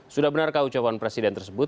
sudah benarkah ucapan presiden tersebut